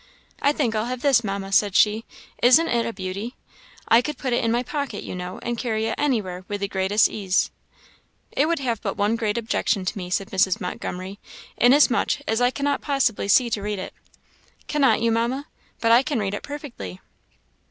"I think I'll have this, Mamma," said she; "isn't it a beauty? I could put it in my pocket, you know, and carry it anywhere, with the greatest ease." "It would have one great objection to me," said Mrs. Montgomery, "inasmuch as I cannot possibly see to read it." "Cannot you, Mamma? But I can read it perfectly."